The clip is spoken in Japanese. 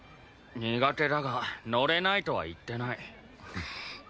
苦手だが乗れないとは言ってない。